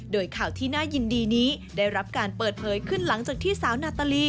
โดยข่าวที่น่ายินดีนี้ได้รับการเปิดเผยขึ้นหลังจากที่สาวนาตาลี